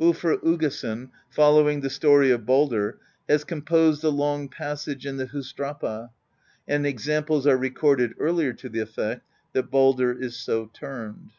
Ulfr Uggason, follow ing the story of Baldr, has composed a long passage in the Husdrapa; and examples are recorded earlier to the effect that Baldr is so termed.